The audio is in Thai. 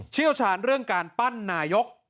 เชี่ยวชาญเรื่องการปั้นนายก